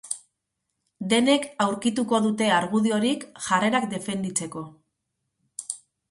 Denek aurkituko dute argurdiorik jarrerak defenditzeko.